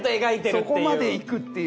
そこまでいくっていう。